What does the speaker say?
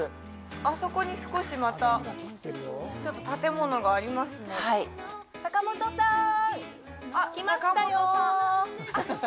あそこに少しまたちょっと建物がありますね阪本さん来ましたよ